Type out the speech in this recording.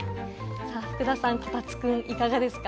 福田さん、こたつくん、いかがですか？